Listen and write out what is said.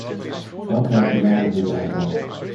Frankrijk benadert dit aantal.